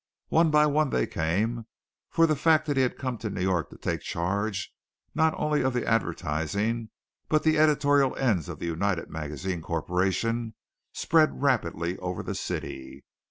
One by one they came, for the fact that he had come to New York to take charge not only of the advertising but the editorial ends of the United Magazines Corporation spread rapidly over the city.